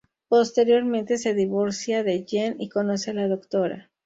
Posteriormente se divorcia de Jenn y conoce a la Dra.